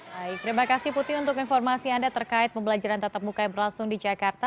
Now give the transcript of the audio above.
baik terima kasih putri untuk informasi anda terkait pembelajaran tetap muka yang berlangsung di jakarta